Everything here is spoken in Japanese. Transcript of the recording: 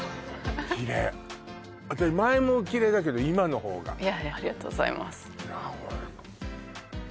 きれい前もおきれいだけど今のほうがありがとうございます